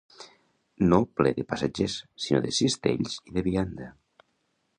No ple de passatgers, sinó de cistells i de vianda.